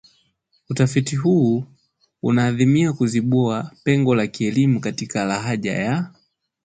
Utafiti huu unaadhimia kuziba pengo la kielimu katika lahaja ya